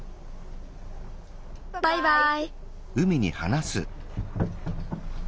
バイバイ。